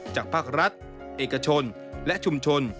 จากภาครัฐเอกชนและชุมชน